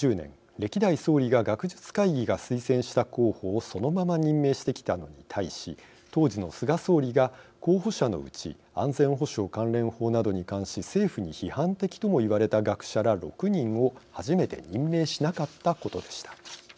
歴代総理が学術会議が推薦した候補をそのまま任命してきたのに対し当時の菅総理が、候補者のうち安全保障関連法などに関し政府に批判的とも言われた学者ら６人を初めて任命しなかったことでした。